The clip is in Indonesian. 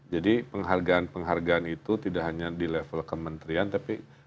jadi penghargaan penghargaan itu tidak hanya di level kementrian tapi juga di jutaan jutaan